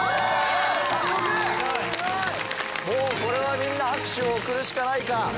もうこれはみんな拍手を送るしかないか。